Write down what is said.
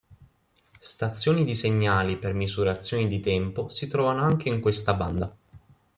Stazioni di segnali per misurazioni di tempo si trovano anche in questa banda.